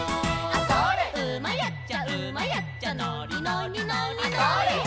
「うまいやっちゃうまいやっちゃのりのりのりのり」「」